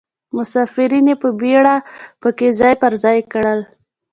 مسافرین یې په بیړه په کې ځای پر ځای کړل.